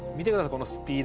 このスピード。